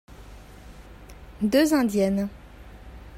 Deux indiennes.